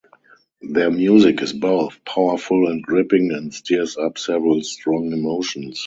Their music is both powerful and gripping and stirs up several strong emotions.